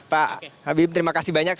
pak habib terima kasih banyak